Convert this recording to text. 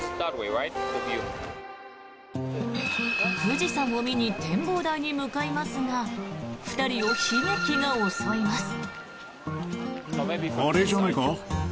富士山を見に展望台に向かいますが２人を悲劇が襲います。